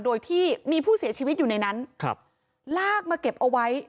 โดยที่มีผู้เสียชีวิตอยู่ในนั้นลากมาเก็บเอาไว้